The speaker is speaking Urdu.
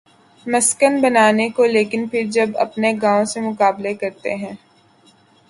مسکن بنانے کو لیکن پھر جب اپنے گاؤں سے مقابلہ کرتے ہیں۔